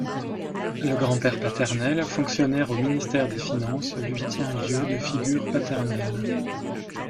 Le grand-père paternel, fonctionnaire au Ministère des Finances, lui tient lieu de figure paternelle.